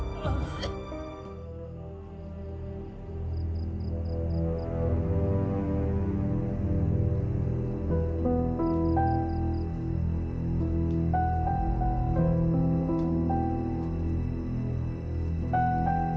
iya mungkin lebihedor